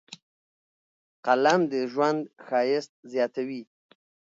قلم د ژوند ښایست زیاتوي